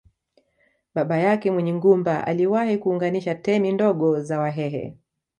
Baba yake Munyingumba aliwahi kuunganisha temi ndogo za Wahehe